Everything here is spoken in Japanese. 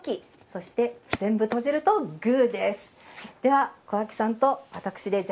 そして、全部閉じるとグーです。